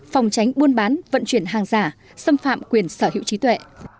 phòng tránh buôn bán vận chuyển hàng giả xâm phạm quyền sở hữu trí tuệ